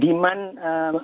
demand minyak lagi tinggi